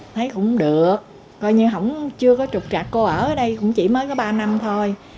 thấy cũng được coi như chưa có trục trạc cô ở đây cũng chỉ mới có ba năm thôi